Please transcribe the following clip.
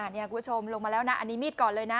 นี่คุณผู้ชมลงมาแล้วนะอันนี้มีดก่อนเลยนะ